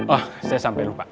oh saya sampai lupa